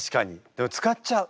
でも使っちゃう。